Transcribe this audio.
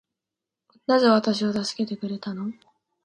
なぜ私を助けてくれたの